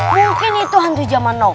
mungkin itu hantu jaman now